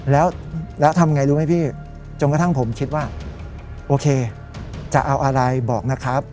แล้วทำไงรู้ไหมพี่จนกระทั่งผมคิดว่าโอเคจะเอาอะไรบอกนะครับ